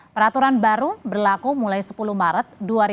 peraturan baru berlaku mulai sepuluh maret dua ribu dua puluh